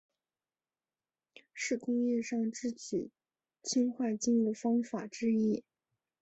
是工业上制取氰化氢的方法之一。